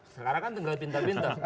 sekarang kan tinggal pinter pinter